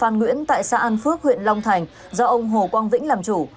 ở đoàn nguyễn tại xã an phước huyện long thành do ông hồ quang vĩnh làm chủ